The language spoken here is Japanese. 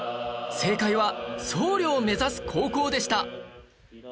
正解は僧侶を目指す高校でした